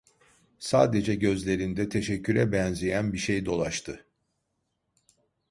Sadece gözlerinde teşekküre benzeyen bir şey dolaştı.